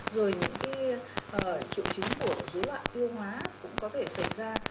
rồi những triệu chứng của dối loạn tiêu hóa cũng có thể xảy ra